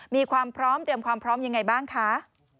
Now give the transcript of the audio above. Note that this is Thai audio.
มีความพร้อมเตรียมความพร้อมยังไงบ้างคะ